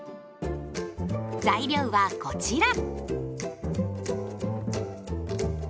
材料はこちら。